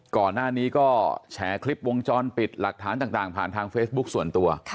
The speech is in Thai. ก่อนหน้านี้ก็แฉคลิปวงจรปิดหลักฐานต่างผ่านทางเฟซบุ๊คส่วนตัว